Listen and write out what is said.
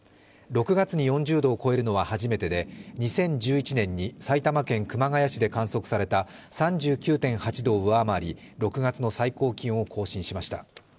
６月に４０度を超えるのは初めてで２０１１年に埼玉県熊谷市で観測された３９．８度を上回り６月の最高気温を更新しました。